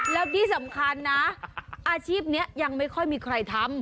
แล้วที่สำคัญนะอาชีพนี้ยังไม่ค่อยมีใครทำ